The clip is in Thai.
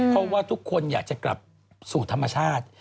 เพราะว่าทุกคนอยากจะกลับสู่ธรรมชาติ